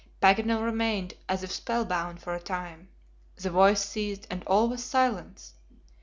Paganel remained as if spellbound for a time; the voice ceased and all was silence.